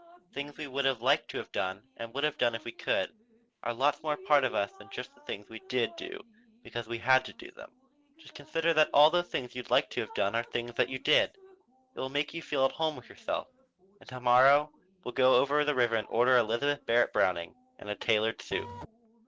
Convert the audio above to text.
The things we would like to have done, and would have done if we could, are lots more part of us than just the things we did do because we had to do them. Just consider that all those things you'd like to have done are things you did. It will make you feel at home with yourself. And to morrow we'll go over the river and order Elizabeth Barrett Browning and a tailored suit."